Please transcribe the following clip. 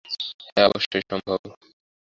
হ্যাঁ অবশ্যই সম্ভব।